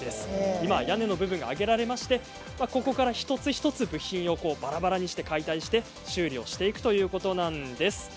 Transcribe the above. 今、屋根の部分が上げられてここから一つ一つ部品をばらばらにして解体して修理をしていくということなんです。